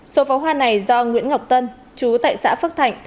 số pháo hoa này do nguyễn ngọc tân chú tại xã phước thạnh tp mỹ tho